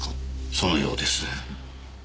そのようです。